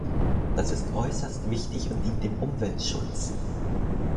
Das ist äußerst wichtig und dient dem Umweltschutz.